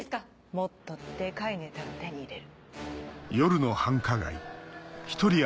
もっとデカいネタを手に入れる。